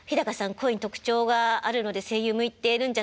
声に特徴があるので声優向いてるんじゃないですか？」